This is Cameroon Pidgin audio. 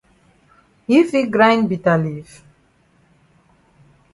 Yi fit grind bitter leaf?